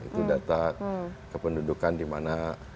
itu data kependudukan dimana